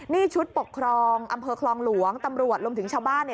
นี่ชุดปกครองอำเภอคลองหลวงตำรวจรวมถึงชาวบ้าน